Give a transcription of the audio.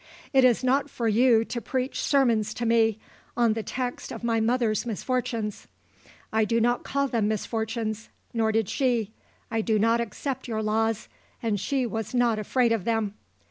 "It is not for you to preach sermons to me on the text of my mother's misfortunes. I do not call them misfortunes nor did she. I do not accept your laws, and she was not afraid of them.